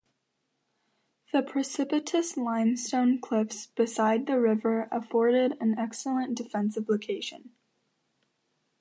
The precipitous limestone cliffs beside the river afforded an excellent defensive location.